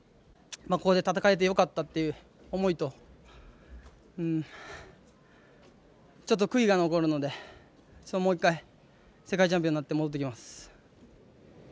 ここで戦えてよかったっていう思いとちょっと悔いが残るのでもう１回世界チャンピオンになって戻ってきます。